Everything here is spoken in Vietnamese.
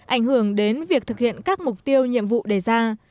ảnh hưởng đến việc thực hiện các mục tiêu nhiệm vụ đề ra